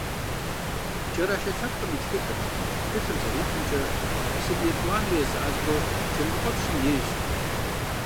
«КӀэрашэ лъэпкъым и тхыдэ» тхылъым зэритымкӀэ, сын етӀуанэр езы Алъхъо Темрыкъуэпщым ейщ.